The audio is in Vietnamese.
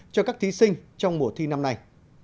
cho các thí sinh trong mùa thi năm nay